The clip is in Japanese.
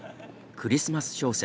クリスマス商戦